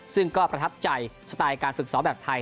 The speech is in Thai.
ซึ่งก็ประทับใจสไตล์การฝึกซ้อมแบบไทย